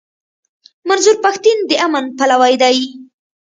منظور پښتين د امن پلوی دی.